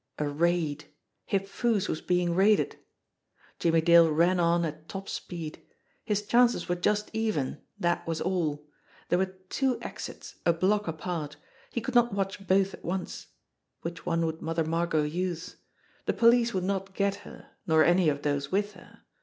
A raid! Hip Foo's was being raided. Jimmie Dale ran on at top speed. His chances were just even that was all. There were two exits a block apart. He could not watch both at once. Which one would Mother Margot use? The police would not get her, nor any of those with her.